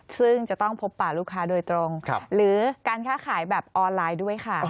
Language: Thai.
ซึ่งจะต้องพบป่าลูกค้าโดยตรงหรือการค้าขายแบบออนไลน์ด้วยค่ะ